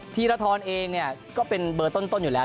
ธีรทรเองเนี่ยก็เป็นเบอร์ต้นอยู่แล้ว